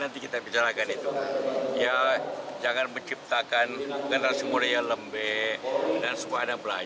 jika tidak begitu nanti para murid para siswa itu akan tidak sungguh sungguh lagi